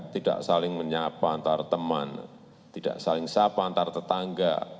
tidak saling menyapa antar teman tidak saling sapa antar tetangga